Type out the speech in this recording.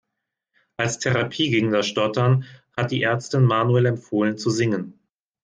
Als Therapie gegen das Stottern hat die Ärztin Manuel empfohlen zu singen.